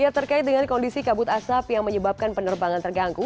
terkait dengan kondisi kabut asap yang menyebabkan penerbangan terganggu